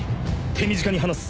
手短に話す。